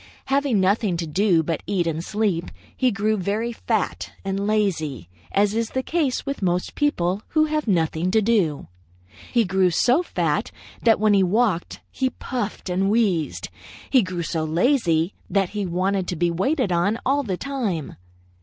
Having nothing to do but eat and sleep, he grew very fat and lazy, as is the case with most people who have nothing to do. He grew so fat that when he walked, he puffed and wheezed. He grew so lazy that he wanted to be waited on all the time.